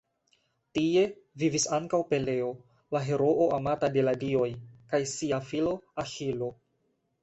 Tie vivis ankaŭ Peleo, la heroo amata de la dioj, kaj sia filo Aĥilo.